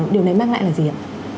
điều này mang lại là gì ạ